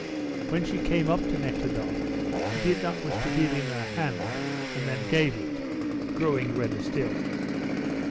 When she came up to Nekhludoff she did not wish to give him her hand, and then gave it, growing redder still.